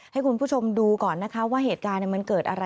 ให้คุณผู้ชมดูก่อนนะคะ